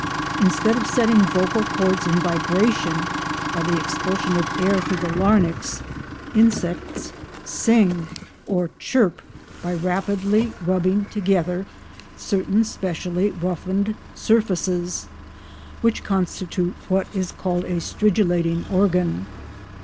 Instead of setting vocal chords in vibration by the expulsion of air through the larynx, insects "sing" or "chirp" by rapidly rubbing together certain specially roughened surfaces, which constitute what is called a "stridulating organ."